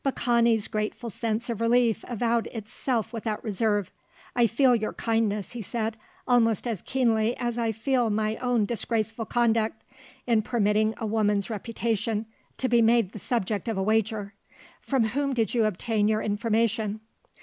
Baccani's grateful sense of relief avowed itself without reserve. "I feel your kindness," he said, "almost as keenly as I feel my own disgraceful conduct, in permitting a woman's reputation to be made the subject of a wager. From whom did you obtain your information?"